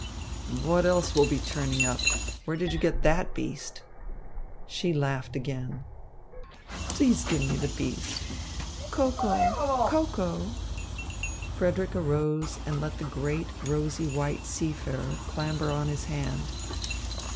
"What else will be turning up? Where did you get that beast?" She laughed again. "Please give me the beast. Koko! Koko!" Frederick arose and let the great, rosy white seafarer clamber on his hand.